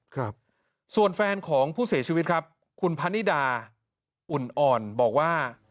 ครับส่วนแฟนของผู้เสียชีวิตครับคุณพนิดาอุ่นอ่อนบอกว่า